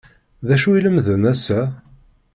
D acu i lemden ass-a?